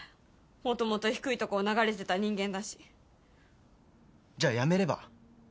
元々低いとこ流れてた人間だしじゃあやめれば？